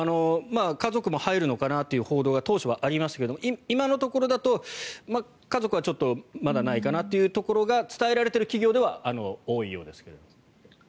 家族も入るのかなという報道が当初はありましたけど今のところだと家族はちょっとまだないかなというところが伝えられている企業では多いようですけれども。